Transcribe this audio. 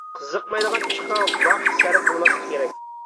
قىزىقمايدىغان ئىشقا ۋاقىت سەرپ قىلماسلىق كېرەك.